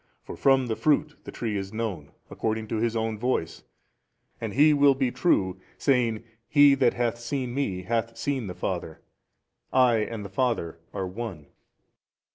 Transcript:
For from the fruit the tree is known 70, according to His own voice, and He will be True, saying He that hath seen Me hath seen the Father, I and the Father are One.